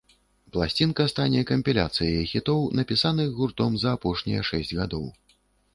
Пласцінка стане кампіляцыяй хітоў, напісаных гуртом за апошнія шэсць гадоў.